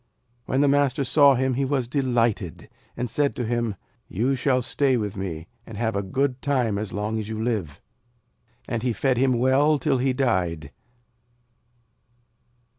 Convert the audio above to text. When the master saw him he was delighted, and said to him: 'You shall stay with me, and have a good time as long as you live.' And he fed him well till he died.